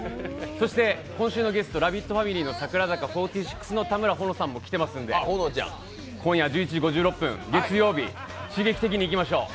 そして、今週のゲスト、ラヴィットファミリーの櫻坂４６の田村保乃さんも来てますので今夜１１時５６分月曜日、刺激的にいきましょう。